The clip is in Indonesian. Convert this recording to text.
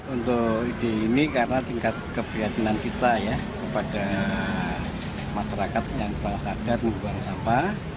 untuk ide ini karena tingkat keprihatinan kita ya kepada masyarakat yang kurang sadar membuang sampah